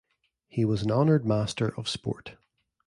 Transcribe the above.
He was an Honoured Master of Sport.